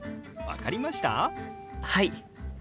はい。